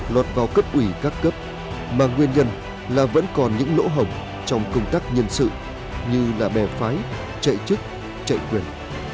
lọt vào cấp ủy các cấp mà nguyên nhân là vẫn còn những lỗ hổng trong công tác nhân sự như là bè phái chạy chức chạy quyền